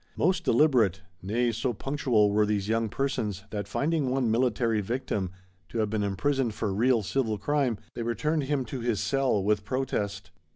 Most deliberate! Nay so punctual were these young persons, that finding one military victim to have been imprisoned for real civil crime, they returned him to his cell, with protest.